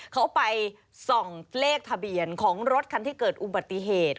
เขาไปส่องเลขทะเบียนของรถคันที่เกิดอุบัติเหตุ